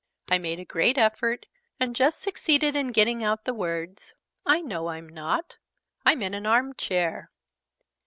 I made a great effort, and just succeeded in getting out the words "I know I'm not. I'm in an arm chair."